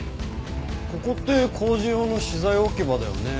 ここって工事用の資材置き場だよね。